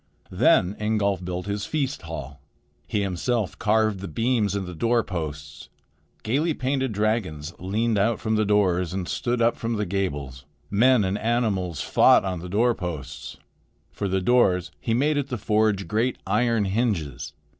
" Then Ingolf built his feast hall. He himself carved the beams and the door posts. Gaily painted dragons leaned out from the doors and stood up from the gables. Men and animals fought on the door posts. For the doors he made at the forge great iron hinges.